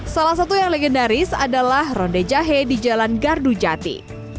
salah satu yang legendaris adalah ronde jahe di jalan gardu jati